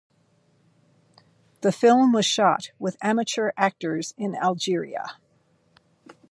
The film was shot with amateur actors in Algeria.